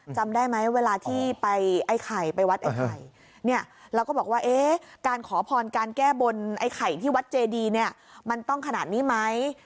จำได้ไหมเวลาที่ไปไอ้ไข่ไปวัดไอ้ไข่เนี่ยแล้วก็บอกว่าเอ๊ะการขอพรการแก้บนไอ้ไข่ที่วัดเจดีเนี่ยมันต้องขนาดนี้ไหม